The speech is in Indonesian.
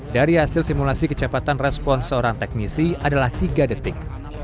dari hasil simulasi kecepatan respon seorang teknisi adalah tiga detik